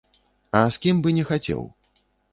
А з кім бы не хацеў?